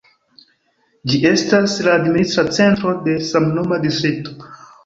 Ĝi estas la administra centro de samnoma distrikto.